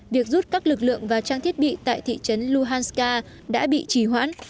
việc rút các lực lượng và trang thiết bị tại thị trấn luhanska đã bị trì hoãn